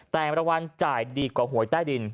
แต่มีรวรรณจ่ายดีกว่าหวยใต้ดิน